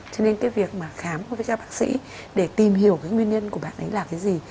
cho nên cái việc mà khám với các bác sĩ để tìm hiểu cái nguyên nhân của bạn ấy là cái gì